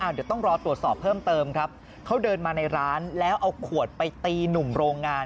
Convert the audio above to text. เดี๋ยวต้องรอตรวจสอบเพิ่มเติมครับเขาเดินมาในร้านแล้วเอาขวดไปตีหนุ่มโรงงาน